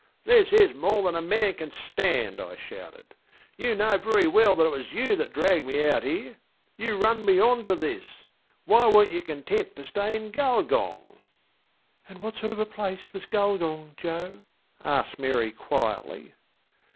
ŌĆśThis is more than a man can stand! ŌĆÖ I shouted. ŌĆśYou know very well that it was you that dragged me out here. You run me on to this! Why werenŌĆÖt you content to stay in Gulgong? ŌĆÖ ŌĆśAnd what sort of a place was Gulgong, Joe? ŌĆÖ asked Mary quietly.